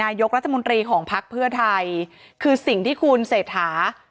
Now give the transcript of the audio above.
นายกรัฐมน์ทีของพลักษณ์เพื่อไทยคือสิ่งที่คุณเสทา